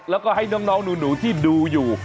แล้วก็ให้น้องหนูที่ดูอยู่